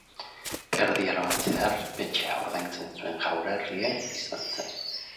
Erdi Aroan zehar petxa ordaintzen zuen jaurerria izan zen.